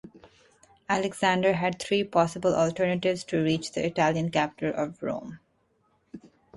Alexander had three possible alternatives to reach the Italian capital of Rome.